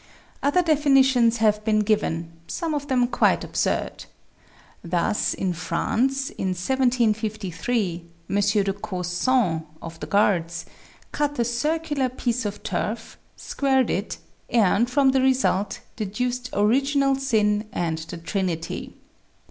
Other defini tions have been given, some of them quite absurd. Thus in France, in 1753, M. de Causans, of the Guards, cut a circular piece of turf, squared it, and from the result de duced original sin and the Trinity.